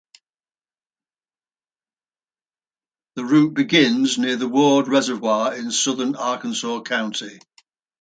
The route begins near the Ward Reservoir in southern Arkansas County.